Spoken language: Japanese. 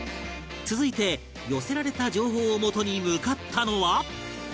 続いて寄せられた情報をもとに向かったのは